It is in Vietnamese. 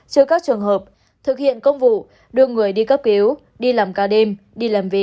trừ các trường hợp thực hiện công vụ đưa người đi cấp cứu đi làm ca đêm đi làm việc